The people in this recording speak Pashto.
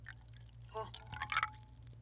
_هه!